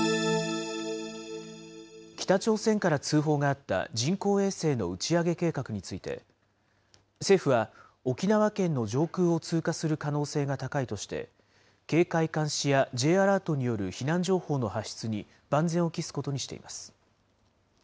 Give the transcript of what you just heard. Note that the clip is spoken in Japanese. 北朝鮮から通報があった人工衛星の打ち上げ計画について、政府は沖縄県の上空を通過する可能性が高いとして、警戒監視やＪアラートによる避難情報の発出に万全を期すことにしています。